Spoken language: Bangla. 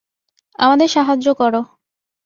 আমাদের সাহায্য করো!